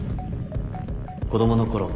子供のころ